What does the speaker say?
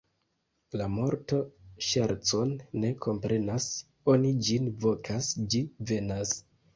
La morto ŝercon ne komprenas: oni ĝin vokas, ĝi venas.